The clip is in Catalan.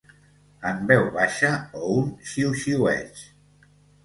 En veu baixa o un xiuxiueig